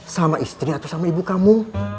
sama istri atau sama ibu kamu